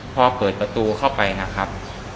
พอเปิดประตูเข้าไปนะครับ